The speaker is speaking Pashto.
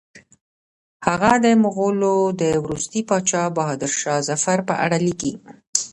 هغه د مغولو د وروستي پاچا بهادر شاه ظفر په اړه لیکي.